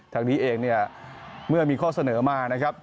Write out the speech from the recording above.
ทางนี้เองเนี่ยเมื่อมีข้อเสนอมานะครับ